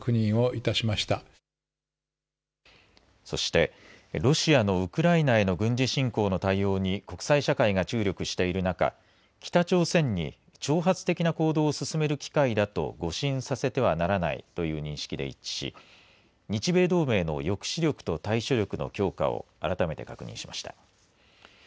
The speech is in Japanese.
そしてロシアのウクライナへの軍事侵攻の対応に国際社会で注力している中北朝鮮に挑発的な行動を進める機会だと誤信させてはならないという認識で一致し日米同盟の抑止力と対処力の強化を改めて確認しました。